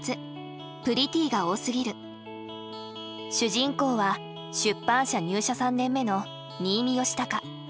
主人公は出版社入社３年目の新見佳孝。